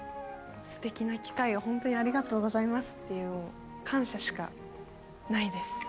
すてきな機会をほんとにありがとうございますっていう感謝しかないです。